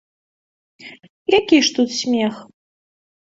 Які ж тут смех?